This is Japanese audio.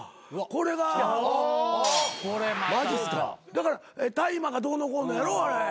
だから大麻がどうのこうのやろあれ。